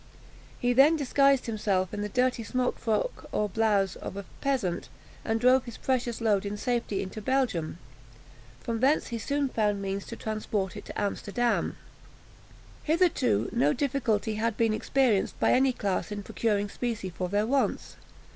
He then disguised himself in the dirty smock frock, or blouse, of a peasant, and drove his precious load in safety into Belgium. From thence he soon found means to transport it to Amsterdam. Hitherto no difficulty had been experienced by any class in procuring specie for their wants.